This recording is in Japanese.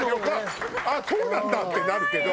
ああそうなんだってなるけど。